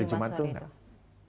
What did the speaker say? hari jumat itu tidak